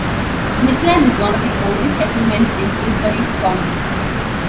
Smithland is one of the oldest settlements in Woodbury County.